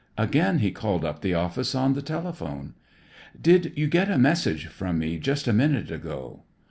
Again he called up the office on the telephone. "Did you get a message from me just a minute ago?"